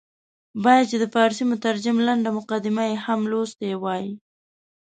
باید چې د فارسي مترجم لنډه مقدمه یې هم لوستې وای.